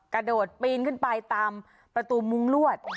กระโดดปีนขึ้นไปตามประตูมุ้งลวด